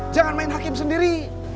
jangan main hakim sendiri